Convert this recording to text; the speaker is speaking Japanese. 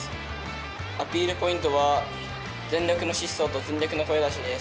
アピールポイントは全力の疾走と全力の声出しです。